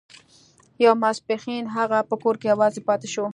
يو ماسپښين هغه په کور کې يوازې پاتې شو.